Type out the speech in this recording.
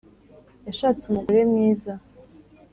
Yashatse umugore mwiza